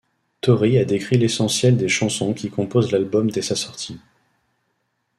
Tori a décrit l'essentiel des chansons qui composent l'album dès sa sortie.